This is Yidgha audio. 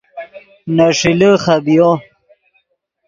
نے ݰیلے خبیو